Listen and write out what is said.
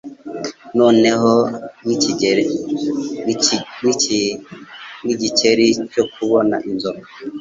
Noneho nkigikeri cyo kubona inzoka